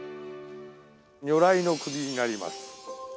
如来の首になります。